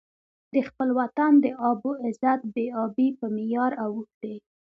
د خپل وطن د آب او عزت بې ابۍ په معیار اوښتی.